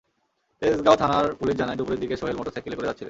তেজগাঁও থানার পুলিশ জানায়, দুপুরের দিকে সোহেল মোটরসাইকেলে করে যাচ্ছিলেন।